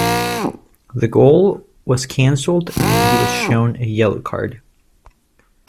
The goal was cancelled and he was shown a yellow card.